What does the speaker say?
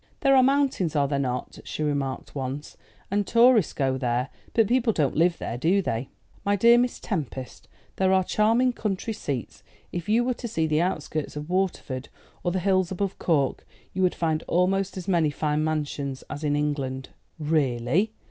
"There are mountains, are there not?" she remarked once; "and tourists go there? But people don't live there, do they?' "My dear Miss Tempest, there are charming country seats; if you were to see the outskirts of Waterford, or the hills above Cork, you would find almost as many fine mansions as in England." "Really?"